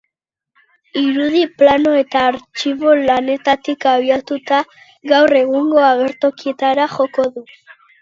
Irudi, plano eta artxibo lanetatik abiatuta, gaur egungo agertokietara joko du.